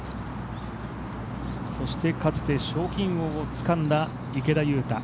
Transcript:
そしてかつて賞金王をつかんだ池田勇太